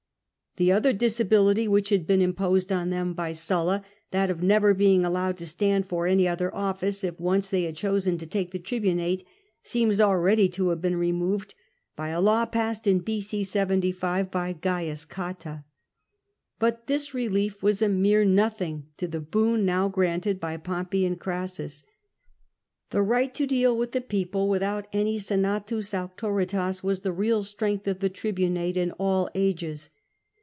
The other disability which had been imposed on them by Sulla, that of never being allowed to stand for any other office if once they had chosen to take the tribunate, seems already to have been removed by a law passed in B.c. 75 by Gains Cotta. But this relief was a mere nothing to the boon now gi'anted by Pompey and Crassus. The right to deal with the people without any scnatus auctoritas was the real strength of the tribunate in all ages.